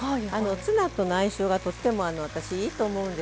ツナとの相性がとっても私いいと思うんですよね。